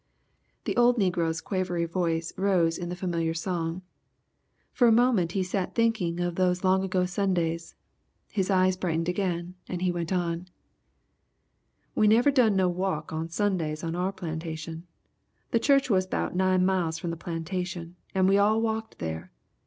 '" The old negro's quavery voice rose in the familiar song. For a moment he sat thinking of those long ago Sundays. His eyes brightened again, and he went on: "We never done no wuk on Sundays on our plantation. The church was 'bout nine miles from the plantation and we all walked there.